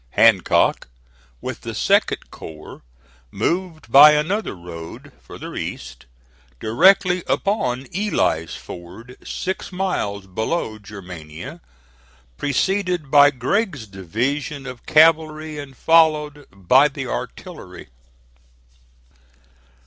Hancock, with the 2d corps, moved by another road, farther east, directly upon Ely's Ford, six miles below Germania, preceded by Gregg's division of cavalry, and followed by the artillery.